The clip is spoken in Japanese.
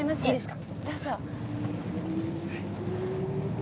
どうぞ。